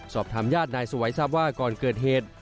สอบถามญาตินายสวัยทราบว่าก่อนเกิดเหตุ